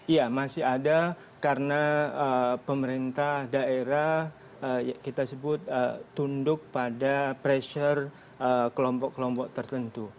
iya masih ada karena pemerintah daerah kita sebut tunduk pada pressure kelompok kelompok tertentu